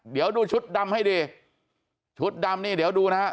เดี๋ยวดูชุดดำให้ดีชุดดำนี่เดี๋ยวดูนะฮะ